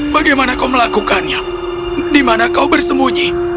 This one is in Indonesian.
bagaimana kau melakukannya dimana kau bersembunyi